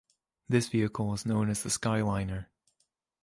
This vehicle was known as the Skyliner.